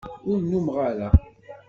Ur numeɣ ara.